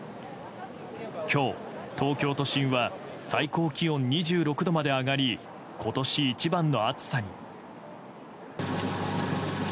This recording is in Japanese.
今日、東京都心は最高気温２６度まで上がり今年一番の暑さに。